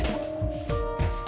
pembeli buku shalat